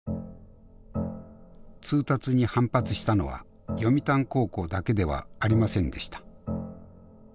通達に反発したのは読谷高校だけではありませんでした。